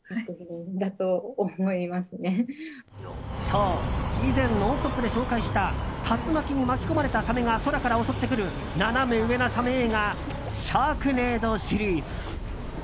そう、以前「ノンストップ！」で紹介した竜巻に巻き込まれたサメが空から襲ってくるナナメ上なサメ映画「シャークネード」シリーズ。